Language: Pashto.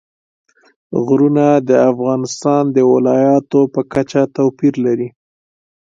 غرونه د افغانستان د ولایاتو په کچه توپیر لري.